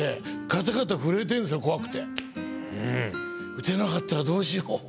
打てなかったらどうしよう。